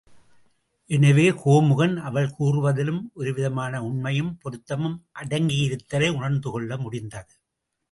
எனவே கோமுகன் அவள் கூறுவதிலும் ஒரு விதமான உண்மையும் பொருத்தமும் அடங்கியிருத்தலை உணர்ந்து கொள்ள முடிந்தது.